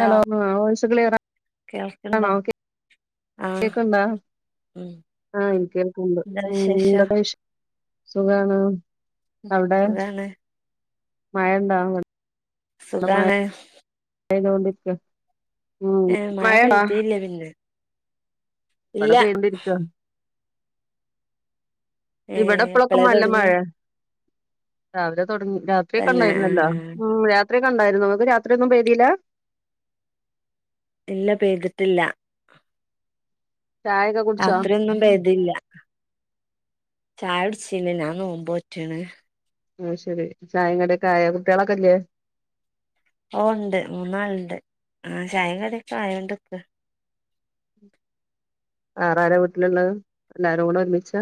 Hello voice കേൾക്ക്ണ്ടോ ക്ലിയർണോ okay ആഹ് കേക്കണ്ടാ ഉം ആഹ എനിക്ക് കേക്കണ്ട് എന്താ എന്തുണ്ട് വിശേഷം വിഷ് സുഗാണ സുഖാണ് മഴയോണ്ടാ അ സുഖാണ് അയിനുകൊണ്ടിട്ട് ഏ മഴ പൈതീല്ല പിന്നെ ഇവിടെ ഇല്ല പൈതോണ്ടിരിക്ക ഇവിടെ ഏഹ് ഇ പ്പളൊക്കെ എപ്പളേ നല്ല തൊടങ്ങി മഴ [inaudible] രാവ്ലെ തൊടങ്ങി തന്നെ രാത്രിയൊക്കെണ്ടായിനെല്ലോ ആഹ് മം രാത് ത്രിക്കെ ണ്ടായിനു ങ്ങക്ക് രാത്രിയൊന്നും പെയ്‌തീല്ല [inaudible] ഇല്ല പെയ്തിട്ടില്ല ചായൊക്കെ കുടിച്ചോ രാത്രിയൊന്നും പെയ്ത്തീല്ല ചായുട്ച്ചീല്ലാ ഞാനോമ്പോറ്റ്ണ് ആ ശരി ചായെം കടിയൊക്കെ ആയോ കുട്ടികളൊക്കെല്ലേ ഓ ഉണ്ട് മൂന്നാള്ണ്ട് ആ ചായേം കടിയൊക്കെ ആയൊണ്ട്ക്ക്ണ് വേറാരാ വീട്ടില്ള്ളെ എല്ലാരൂടെ ഒരുമിച്ച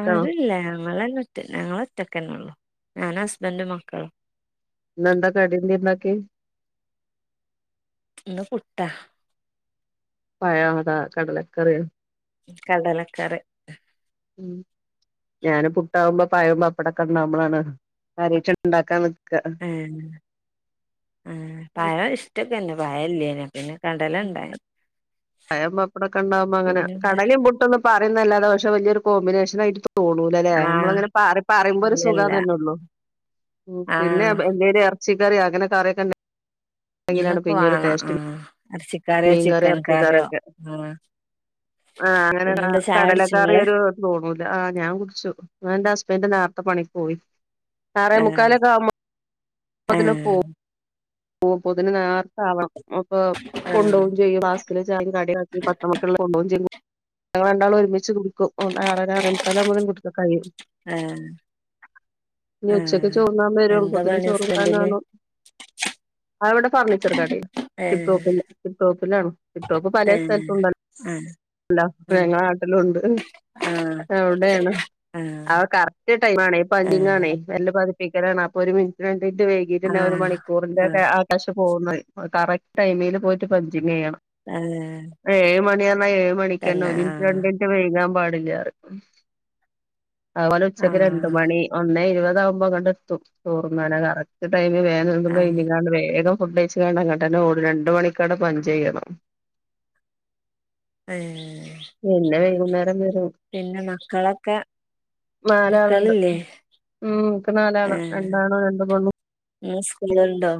അതില്ലാ ഞങ്ങളെന്നെ ഒറ്റ ഞങ്ങളൊറ്റക്കെന്നൊള്ളു ഞാന് ഹസ്ബൻണ്ട് മക്കളും ന്നന്താ കടി ന്തേണ്ടാക്ക്യേ [inaudible] ഇന്ന് പുട്ട പയ്യാ അതോ കടലക്കറ്യോ കടലക്കറി [inaudible] മ് ഞാന് പുട്ടാവുമ്പോ പായം പപ്പടൊക്കെ ഇണ്ടാവുമ്പോളാണ് കര്യായിട്ട് ഇണ്ടാക്കാൻ നി ഏ ഏ പഴം ഇഷ്ടൊക്കെന്നെ പയെല്ലേനി പിന്നെ കടല ണ്ടായി പയോം പപ്പടൊക്കെണ്ടാവുമ്പോങ്ങനെ കടലേം പുട്ടൊന്നും റിയെന്നല്ലാതെ ഇജ്ജ് വല്യൊരു കോമ്പിനേഷമായിട്ട് തോ തോണൂലല്ലേ ആഹ് നമ്മളങ്ങനെ പറി പറിമ്പം ഒരു സുഖം ഇല്ലല്ല തെന്നെള്ളൂ പിന്നെ ആഹ് എന്തെ റച്ചിറിയൊ അങ്ങനെ കറിയൊക്കെണ്ടെ അങ്ങനൊക്കെവാണം ആ മീൻകറി ഇറച്ചിക്കറൊക്കെ ആഹ് ആ [inaudible] അങ്ങനെ പിന്നെന്താ ചായുടിച്ചോ കടലക്കറി ഇങ്ങള് ഒരു തോന്നൂല്ല ആ ഞാൻ കുടിച്ചു എ അന്റെ നേർത്തെ പണിക്കോയി ആറെ ആഹ് മുക്കാലൊക്കെ ആകുമ്പോത്തിന് പോകും ആഹ് ഓ അപ്പൊത്തിന് നേർത്തെ ആവണം അപ്പൊ ആഹ് കൊണ്ടവും ചെയ്യും പ്ലാസ്കില് ചായെം കടിയാക്കി പത്ത്മണിക്കില്ലെ കൊണ്ടോവും ചെയ്യും [inaudible] ഞങ്ങളാ രണ്ടാളോരുമിച്ച് കുടുക്കും തോണ്ട് ആറര ആറേമുക്കാലാകുമ്പോ [unintelligible] കഴിയും ഏ ഇനി ഉച്ചക്ക് ചോർന്നാൻ ബെരും അപ്പോത്തിന് പണി ഹസ്ബന്റിന് ചോറുകൂട്ടാനാകണം ആള് ഇവിടെ ഫർണിച്ചർ കടേല് ഏഹ് ടിപ്ടോപ്പ് ടിപ്ടോപ്പിലാണ് ടിപ്ടോപ്പ് പല ഏഹ് സ്ഥലത്തുണ്ടല്ലോ ആഹ് അല്ലോ ഞങ്ങള നാട്ടിലുണ്ട് ആഹ് എവിടെയാണ് ആഹ് അവ കറ ടൈമാണേ പെയ്ൻ്റിംഗ് ആഹ് ആണെ [inaudible] നല്ല പ ഒട്ടിക്കലാണ് അപ്പൊ ഒരു മിനുറ്റിന് വേണ്ടി ഇത് വൈകീട്ടുണ്ടാകും ഒരു ആഹ് മണിക്കൂറിന്റെ ആഹ് ആഹ് ആകാശ- പോകുന്നത് കറക്ട് ടൈമില് പോയിട്ട് പണി- പഞ്ചിംഗ് ചെയ്യണം ഏഹ് ഏഴ് മണി- ആ ഏഴ് മണിക്ക് തന്നെ ഒരു മിനിറ്റ് രണ്ടു മിനുറ്റ് വൈകാൻ പാടില്ല ഇപ്പില്ലാന്ന് പറയും അതുപോലെ ഉച്ചക്ക് രണ്ട ആഹ് മണി ഒന്ന് ഇരുപത് കുമ്പോ ഇങ്കട് എത്തും ചോറുണ്ണാണ് കറക്ട് വേഗം തിന്നു ആഹ് കഴി- വേഗം ഫുഡ് കഴിച്ച് കൊണ്ട് അങ്ങട്ടെന്നെ ഓടും രണ്ടു മണിക്ക് അവിടെ പഞ്ച് ചെയ്യണം ഏ ഉ [inaudible] നാലാളുണ്ട് മക്കളില്ലേ ഉം ഇക്ക് നാലാള ഏഹ് രണ്ടാണും രണ്ട് പെണ്ണും ഇന്ന് സ്കൂളുണ്ടോ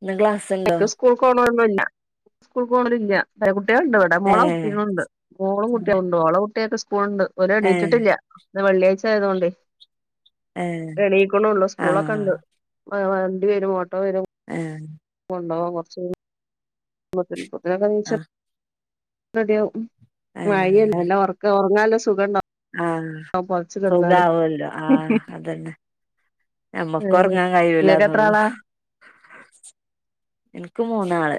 ഇന്ന് ക്ലാസ് ഉണ്ടോ സ്കൂൾ പോണതില്ല കുട്ടികളുണ്ട് ഇവിടെ ഏ മോൾടെ കുട്ടികളുണ്ട് മോളും കുട്ടികളും ഉണ്ട് ഓൾടെ കുട്ടിയൊക്കെ സ്കൂ- പോണ് ഇണ്ട് ഓര് ഏ എണീട്ടിട്ടില്ല ഇന്ന് വെള്ളിയാഴ്ച ആയതോണ്ട് ഏ എണീക്കണൊള്ളോ സ്കൂളൊക്കെ ഉണ്ട് ആ വണ്ടി വരും ഓട്ടോ ഏ കൊണ്ടൊവാൻ കൊറച്ച് മക്കളോകൊണ്ട് ഇപ്പൊ ഇങ്ങൾ താനീച്ചന് ആഹ് റെഡി ആവും ആഹ് മഴയല്ലേ നല്ല ഉറക്കാവും ഇന്ന് നല്ല സുഖണ്ടാവും ആഹ് പൊതച്ച് കെടന്നാല് സുഖാവുല്ലോ ആഹ് അതന്നെ നമ്മക്ക് ഉറങ്ങാൻ ഇങ്ങക്ക് എത്ര കഴിയൂലന്നുള്ളു ആളാ എനക്ക് മൂന്നാള്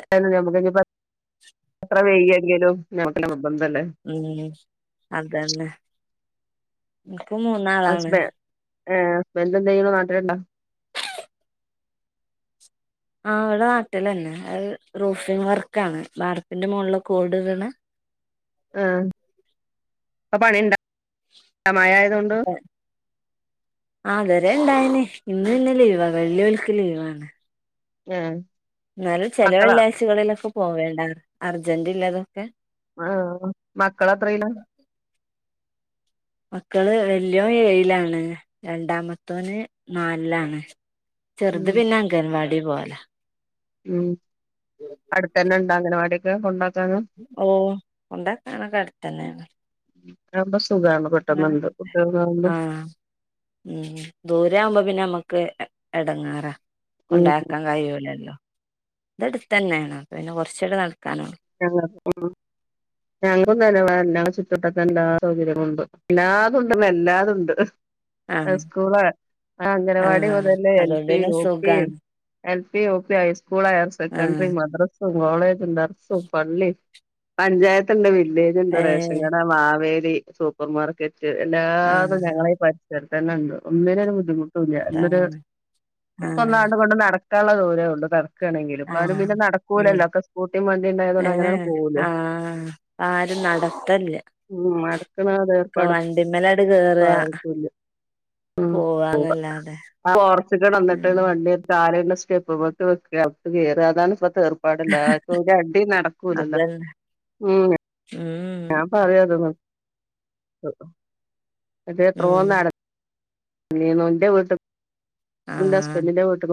വേയെകിലും [unintelligible] മ്മ് അതന്നെ ഇപ്പ മൂന്നാളാണ് ഹസ്ബ ഏഹ് ഹസ്ബൻ്റ് എന്താ ചെയ്യുന്നെ നാട്ടിലുണ്ടോ ആഹ് ഇവിടെ നാട്ടിലന്നെ അ റൂഫിംഗ് വർക്ക് ആണ് ബാർപ്പിന്റെ മുകളില് ഒക്കെ ഓട് ഇടനെ ആഹ് ഇപ്പൊ പണി ഇണ്ട മഴയായതു കൊണ്ട് ആഹ് ഇത് വരെ ഇണ്ടായിന് ഇന്ന് പിന്നെ ലീവാ വെള്ളി ഇവല്ക്ക് ലീവാണ് ആഹ് എന്നാലും ചെല വെള്ളിയാഴ്ച്ചകളിലൊക്കെ പോവേണ്ടാന്ന് അർജന്റ് ഇല്ലാത് ഒക്കെ ആഹ് മക്കള് എത്രയിലാ മക്കള് വലിയോൻ ഏഴിലാണ് രണ്ടാമത്തോന് നാലിലാണ് ചെറുത് പിന്നെ അംഗൻ വാടി പോകലാ മൂ അടുത്തന്നെ ഉണ്ടോ അംഗനവാടി കൊണ്ടാകു ഓഹ് കൊണ്ടാക്കാനൊക്കെ അടുത്തന്നെ ആണ് അതാവുമ്പം അങ്ങനെ ആഹ് മ്മ് ദൂരെ ആകുമ്പോ പിന്നെ ഞമ്മക്ക് ഒക്കെ എടങ്ങാറാ ഉം കൊണ്ടാക്കാൻ കയിലൂലാല്ലോ അതടുത്ത് തന്നെയാണ് പിന്നെ കുറച്ചൂടെ നടക്കാനെ ഞങ്ങള് ഞങടെ തന്നെ ചുറ്റ് വട്ടത്ത്ക്ക് എല്ലാ സൗകര്യങ്ങളും ഉണ്ട് ഇല്ലാതുണ്ട്ല്ല എല്ലാതുണ്ട് ആഹ് സ്കൂള് ആഹ് അംഗൻവാടി ആഹ് മുതലേ എൽ അതോണ്ട് പി പിന്നെ യു പി സുഖാണ് L P U P high school school higher secondary ആഹ് മദ്രസ കോളെജ് ഉണ്ട പള്ളി പഞ്ചായത്ത് എൻ്റെ വീട്ടി വില്ലേജ് ഉണ്ട് റേഷൻ ഏഹ് കട മാവേലി സൂപ്പർ മാർക്കെറ്റ് എല്ലാതും ആഹ് ഞങ്ങളെ ഈ പരിസരത്ത് [unintelligible] ഒന്നിനാണ് ബുദ്ധിമു ല്ല ഇന്നൊരു താണ് [unintelligible] ആഹ് അങ്ങോട്ടോ ഇങ്ങോട്ടോ നട് ത്താള്ള ദൂരേ ള്ളൂ അതാണ് ക്കണെങ്കില് ഇപ്പാരും ആഹ് പിന്നെ ഉം നടക്കൂലല്ലോ ഒക്കെ സ് ഏഹ് ആഹ് ആരും നടത്തല്ല ഒക്കെ വണ്ടിമ്മലാണ്ട് കേറാ പോവാന്നല്ലാതെ ഉം [unintelligible] [unintelligible] തേർപ്പാടെല്ലാ ഒരടി നടക്കൂലല്ലോ അതന്നെ ഉം ഉം ഞാൻ ഉം [unintelligible] [inaudible] [unintelligible] ന്നിന്നു ന്റെ വീട്ട് ന്ന് ന്റെ ആഹ് ഹസ്ബന്റിന്റെ വീട്ട്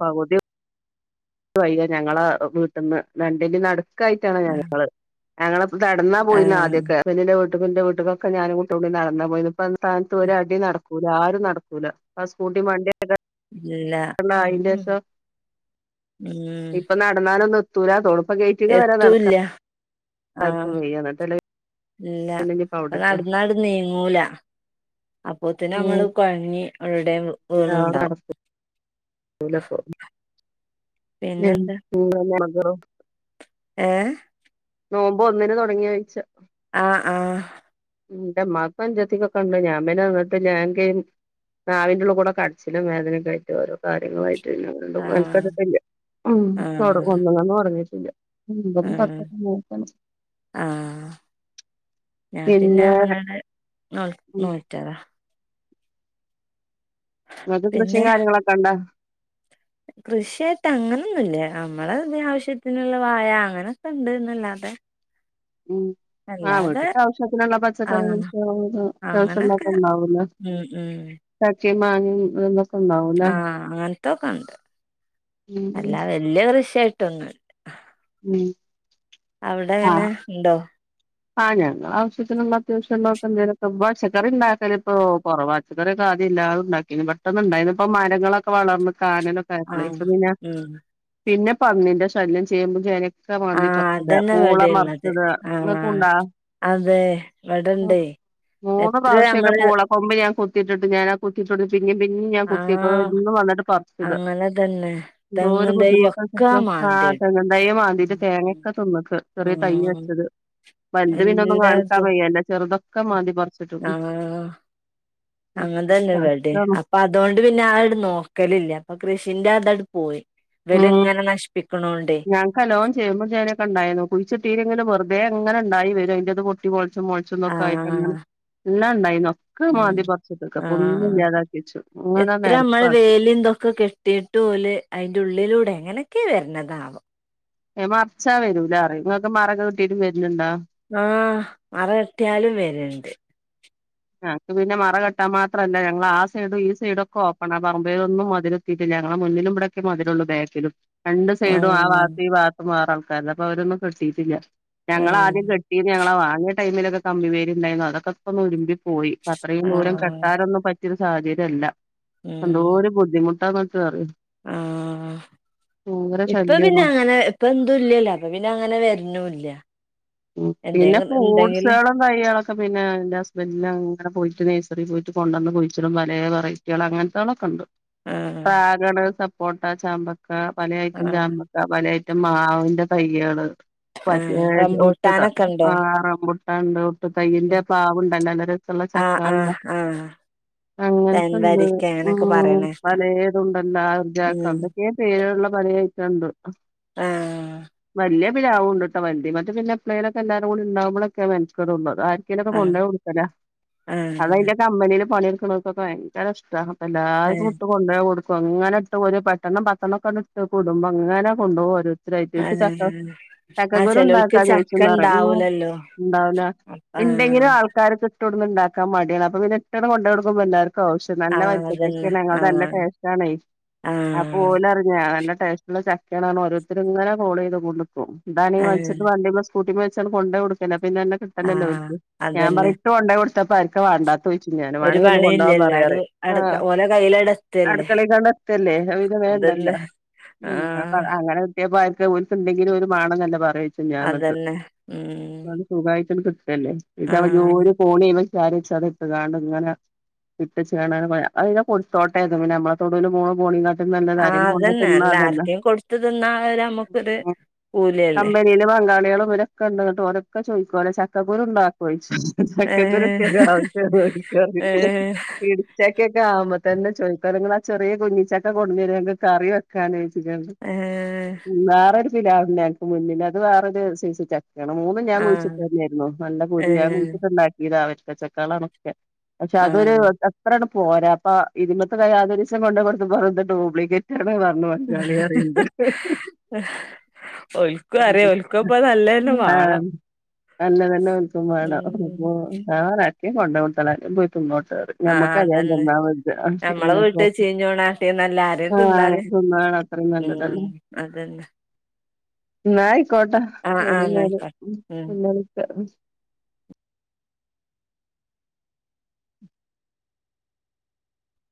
പകുതി [unintelligible] ഞങ്ങള വീട്ട്ന്ന് രണ്ടിന്റീം നട് ക്കായിട്ടാണ് ആഹ് ഞങ്ങള് ഞങ്ങള നടന്നാ പോയിന്നേ ആഹ് ആദ്യൊക്കെ ഹസ്ബന്റിന്റെ വീട്ട് ട്ട് ക്കും ന്റെ വീട്ട്ക്കൊക്കെ ഞാനും കുട്ടീം കൂടി നടന്ന പോയിന്നത് ഇപ്പാ ആ സ്ഥാനത്ത് ഒരു അടി നടക്ക കൂല ആരും നടക്കൂല ആ സ്കൂട്ടി വണ്ടി ഇല്ല ആയിന്റെഷം ഉം ഇപ്പൊ നടന്നാലൊന്ന [unintelligible] പ്പൊ ഗെയ്റ്റ്ക്കെ വരാ നടക്കാ എത്തൂല്ല ആഹ് പ്പാർക്കും വെയ്യ ന്നട്ടല്ലെ ഇല്ല ഇപ്പ നടന്നാട് നീങ്ങൂല. ഉം അപ്പോത്തിനമ്മള് കൊയങ്ങി അവടെവെടേം വീണ് ണ്ടാവും നടക്കൂലപ്പൊ [inaudible] [unintelligible] ഏഹ്- നോമ്പ് ഒന്നിന് തൊടങ്ങിയീയാഴ്ച- ആഹ് ആഹ് - ഇന്റെ ഇമ്മാക്കും അഞ്ചത്തിക്കൊക്കെ ഇണ്ട് ഞാൻ പിന്നെ വന്നിട്ട് ഞൻ പിന്നെ നിന്നിട്ടില്ല നാവിൻന്റെറ ഉള്ള്കൂടെ കട്ച്ചിലും വേദനിം ഒക്കെ ആയിട്ട് ഓരോ കാര്യങ്ങളു ആയി ട്ട് പിന്നെ വീണ്ടും [unintelligible] ആഹ് ഉം ആഹ് [unintelligible] ഇല്ല- ഒമ്പതും ആഹ് പത്തൊക്കെ നോമ്പാണ്- ആഹ് ഞാൻ പിന്നെ [unintelligible] നൊ നോറ്റതാ- ഇങ്ങക്ക് കൃഷിം പിന്നെ കാര്യങ്ങളൊക്കെണ്ടോ? കൃഷിയായിട്ട് അങ്ങനൊന്നുല്ല നമ്മളെ ഇങ്ങനെ ആവശ്യത്തിനുള്ള വായ അങ്ങനെയൊക്കെ ഇണ്ട്ന്നല്ലാതെ ഉം ആ അല്ലാതെ വീട്ട്ത്തെ ആവ്ശ്യത്തിനുള്ള പച്ചക്കറി ആഹ് [unintelligible] അങ്ങനൊക്കെ അത്യവശ്യള്ളൊക്കെ ഇണ്ടാവുലെ- ഉം ഉം മാങ്ങിം [unintelligible] ആഹ് അങ്ങനെ ന്തൊകണ്ട്- ഉം അല്ലാ വെല്ലിയ കൃഷിയാ ട്ടൊങ്ങൾ- ആഹ്‌ ഉം അവ്ടെ അങ്ങനെ ഇണ്ടോ ആ ഞങ്ങളെ ആവശ്യത്തിന് ഉള്ളെ അത്യാവശ്യം യുള്ളൊക്കെ എന്തെലോക്കെ പച്ചക്കറി ഇണ്ടാക്കൽ ഇപ്പൊ കൊറവാ പച്ചക്കറി ഒക്കെ ആദ്യം ഇല്ലാത ഇണ്ടാക്കിനു പെട്ടന്ന് ഇണ്ടായിനു ഇപ്പ മരങ്ങളൊക്കെ വളർന്ന് കാനല്ലൊക്കെ ആയപ്പളെ ആഹ് ഇപ്പ പിന്നാ ഉം പിന്നെ പന്നിന്റെ ശല്യം ചേമ്പും ചേനെ ക്കെ മാന്തി ആഹ് പർച്ചിടാ അതന്നെ പൂള ഇവിടെള്ളത് മർച്ചിടാ അ ആഹ് അതെ ഇവടെ ഇണ്ടെയ് എത്ര ഞമ്മള് കുത്തിട്ടുണ്ട് ഞാനാ കുത്തി [unintelligible] ചി പിന്നിം പിന്നിം ഞാൻ കുത്തെക്കും ആഹ് എന്നും വന്നിട്ട് പർച്ച് ഇട അങ്ങനെ തന്നെ എന്തോര് തെങ്ങും തൈ ബുദ്ധിമുട്ടാന്ന് ഒക്കെ അറിയോ ആ മാന്തിയിടും തെങ്ങും തയ്യ് മാന്തിട്ട് ഉം തേങ്ങ ഒക്കെ തിന്നെക്ക ചെറെ തയ്യ് ഉം വെച്ചത് വൽത് പിന്നെ ഒന്നും കാണിക്കാൻ വയ്യല്ലോ ചെർതൊ ക്കെ മാന്തി പർ ആ അങ്ങനെ തന്നെ ഇവിടം കഷ്ടമാണ് അപ്പ അതോണ്ട് പിന്നെ അയ്ട് നോക്കലില്ല അപ്പ കൃഷിന്റെ അട് പോയി. ഉം ഇവലിങ്ങനെ നശിപ്പിക്കണോണ്ടേ ഞാക്ക് നല്ലോം ചേമ്പും ചേനൊക്കെ ഇണ്ടായിന്നു കുഴിച്ച് ട്ടീൽ ഇങ്ങനെ വെറുതെ ഇങ്ങനെ. ഇണ്ടായി വെരും അയിന്റെ ഇത് പൊട്ടി മൊൾ ച്ചും മൊൾച്ചും ഇതൊക്കെ ആയിട്ട് അങ്ങനെ ആഹ് ല്ലോം ഉണ്ടായിന്നോ? ഉം ആഹ് വെച്ചു അങ്ങനെ എത്ര ഞമ്മള് നെരപ്പാക്കി വേലി എന്തൊക്കെ കെട്ടിട്ട് ഓല് അയിന്റെ ഉള്ളിലൂടെ എങ്ങനെക്കെ വര്ണതാവോ. ഏഹ് മറച്ചാ വരൂലാ റയും ഇങ്ങക്ക് മറൊക്കെ കെട്ടീട്ട് വരലുണ്ടോ? ആഹ് മറകെട്ടിയാലും വര ണ്ട് ഞങ്ങക്ക് പിന്നെ മറ കെട്ടാൻ മാത്രല്ല ഞങ്ങളാ സൈഡും ഈ സൈഡും ഒക്കെ ഓപ്പണാ പറമ്പിലൊന്നും മതില് കെട്ടിട്ടില്ല ഞങ്ങളെ മുന്നിലും ഇവിടെക്കെ മതിലുള്ളൂ ബാക്കിലും രണ്ട് ആഹ് സൈഡും ആ ഭാഗത്തും ഈ ഭാഗത്തും മാറണം. കാരണം പ്പ അവരൊന്നും കെട്ടീട്ടില്ല. ഞങ്ങള ഉം ആദ്യം കെട്ടീ ഞങ്ങള് വാങ്ങി ടൈമിലൊക്കെ കമ്പി വേലിണ്ടായിന്നു അതൊക്കെ ഇപ്പോ തുരു പോയി. അത്രയും ദൂരം ആഹ് കെട്ടാനൊന്നും പറ്റ [unintelligible] സാധ്യത ഇല്ല എന്തോ ഉം ഒരു ബുദ്ധിമു [unintelligible] ആഹ് ഇപ്പോ പിന്നെ ശല്യാണോ അങ്ങനെ ഇപ്പ എന്തു ഇല്ലലോ അപ്പോ പിന്നെ അങ്ങനെ വര്ണൂല്യ ഉം പിന്നെ ഫ്രൂട്ട്സുകളും കൈകളൊക്കെ പിന്നെ എന്റെ ഹസ്ബൻഡി അങ്ങനെ പോയിട്ട് നേഴ്സറിൽ പോയിട്ട് കൊണ്ടുവന്ന് കുടിച്ചിടും പല വെറൈറ്റികൾ അങ്ങനത്തെളൊക്കെ ഉണ്ട്. ആഹ് [unintelligible] കോട്ട ചാമ്പ പല ഐറ്റം ആഹ് ചാമ്പക്ക പല മറ്റ മാവിന്റെ തൈകളെ ആ റാംബൂ ആഹ് റംബുട്ടാനുണ്ടോ തയ്യന്റെ പാവുണ്ടല്ല അരത്തുള്ള ആഹ് ചക്കള്ള ആഹ് ആഹ് അങ്ങനത്തണ്ട് തേൻവരിക്ക ഉ അങ്ങനൊക്കെ പറയണേക്ക പലതുണ്ടല്ല ർജാക്ക ഉം എന്തൊക്കെയ പേരുള്ള പല ചന്ദ [unintelligible] ആഹ് വലിയ പ്ലാവുണ്ടുട്ടോ [unintelligible] വലുത് മറ്റ പിന്നെ എല്ലാരും കൂടി [unintelligible] ഉണ്ടാവുമ്പോഴേക്കെ ആരിക്കലൊക്കെ ആഹ് കൊണ്ടോയി കൊടുക്കല അത് ആഹ് അതിന്റെ കമ്പനിൽ പണി ഫയങ്കര ഇഷ്ട- എല്ലാരുക്കു ആഹ് ഇട്ട് കൊണ്ട പോയി കൊ അങ്ങനെ ഇട്ട് ഒരു പത്തെണ്ണം പത്തെണ്ണൊക്കെ ഇട്ട് കൊടുമ്പോ അങ്ങനെ കൊണ്ടുപോക രു ചക്ക ആഹ് ആഹ് ചക്കക്കുരു ചെലോൽക്ക് ഉണ്ടാക്കാൻ [unintelligible] ചക്ക ഉണ്ടാവൂലല്ലോ ഉണ്ടാവല ആഹ് ഉണ്ടെങ്കിലും ആൾക്കാർക്ക് ട്ട് ടുന്ന് ഉണ്ടാക്കാ മടിയാണ് അപ്പ പിന്നെ ട്ട് ട് കൊണ്ട് കൊടുക്കും പിള്ളാര് കോ ശ് നല്ല ആഹ് അതന്നെ [unintelligible] ആഹ് നല്ല ടേസ്റ്റ് ആണെ അപ്പോ ആഹ് ഓലറിഞ്ഞാ നല്ല ടേസ്റ്റ് ള്ള ചക്കെണെന്ന് പഞ്ഞ് ഓരോരുത്തര് ഇങ്ങനെ കോൾ ചെയ്ത് കൊടുക്കും. ആഹ് [unintelligible] കൂട്ടി കൊയച്ചാണ് കൊണ്ടൊ കൊടുക്കല് പിന്നെന്നെ കിട്ടല്ലല്ലോ ആഹ് ഞാ അതന്നെ പറഞ്ഞിട്ട് കൊണ്ടോയ് കൊട് ഇത പ്പ ആർക്കാ വേണ്ടാത് ചോയിച്ച് ഞാനും ഒരു വേണീ ഒന്ന് കൊണ്ടോ പണിയില്ലല്ലോ പറയാറ് ആ അട് അട ഓലെ കയ്യിലട് എത്തല്ലേ അടുക്കളെ കണ്ടത്തല്ലേ ഇത് വേണ്ടല്ല അതന്നെ മ് അപ ആഹ് അങ്ങനെ കിട്ടിയപ്പ അ [unintelligible] ന്തെങ്കിലും ഒരു മേണെന്നല്ലെ പറയും ച് ഞാൻ നട്ടു അതന്നെ ഉം [unintelligible] ത്‌ ല്ലേ ഇത് അവൻ ആഹ് ജോലി പോണി ഇവൻ വിചാരിച്ചത് ഇട്ട് താണ്ട് ഇങ്ങനെ ഇട്ടേച് കാണാതെ പോയാ അത് ന്നെ കൊടുത്തോട്ടേ പിന്നെ നമ്മള് തൊടുൽ [unintelligible] ആ അതന്നെ എല്ലാർക്കെയും കൊടുത്ത തിന്നാ നമ്മുക്കൊരു കൂലില്ലേ. ഓരൊക്കെ ഉണ്ട് കേട്ടോ ഓരൊക്കെ ചോദിക്കോല്ല ചക്കകുരു ഉണ്ടാക്കുവോയി ഏഹ് ചക്കക്കുരുക്കെ ഏഹ് [unintelligible] ഇടിച്ചക്കൊക്കെ ആവുമ്പ തന്നെ ചോദിത്ത നിങ്ങൾ ആ ചെറിയ കുഞ്ഞിച്ചക്ക കൊടു [unintelligible] ഞങ്ങക്ക് കറി വെക്കാന് ഏഹ് [inaudible] വേറെട് [unintelligible] മുന്നിൽ അത് വേറൊരു സൈസി പി ച്ചാ കണം മൂന്ന് ഞാൻ ആഹ് കുഴിച്ചിട്ട് തന്നെയായിരുന്നു നല്ല കുരു ഞാൻ ഏഹ് കുഴിച്ചിട്ടുണ്ടാക്കിതാ അവര് [unintelligible] പക്ഷെ അതൊരു ആഹ് എത്രളു പോരാപ്പ ഇതിമത്തെ ക ആതരിശം കൊണ്ട് കൊടുത്ത [unintelligible] ഡ്യൂപ്ലിക്കേറ്റ് [unintelligible] ഓൽക്കും അറിയാം [unintelligible] ഓൽക്കും ഇപ്പ [unintelligible] [unintelligible] നല്ലതന്നെ വാണം ഉം ആഹ് ഞമ്മക്ക അറിയാം അതന്നെ ഞമ്മളെ [unintelligible] വീട്ട് ചീഞ്ഞോണാട്ടിന്നല്ല ആരേം ആ തിന്നാന് ചുമ്മാത അത്രയും നല്ലതല്ല. ഉം അതന്നെ നാ യ് ക്കോട്ടെ ആഹ് ശരി ആഹ് ന്നാ അയ്ക്കോട്ടെ ഉം ശരി [inaudible]